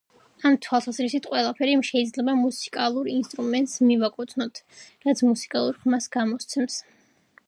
ამ თვალსაზრისით, ყველაფერი შეიძლება მუსიკალურ ინსტრუმენტს მივაკუთვნიოთ, რაც მუსიკალურ ხმას გამოსცემს.